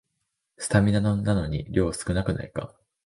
スタミナ丼なのに量少なくないか